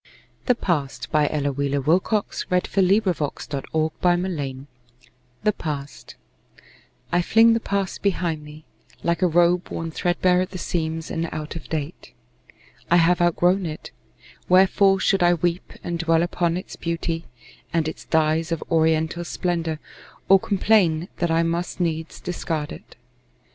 or him alway. Ella Wheeler Wilcox The Past I FLING the past behind me, like a robe Worn threadbare at the seams, and out of date. I have outgrown it. Wherefore should I weep And dwell upon its beauty, and its dyes Of oriental splendor, or complain That I must needs discard it?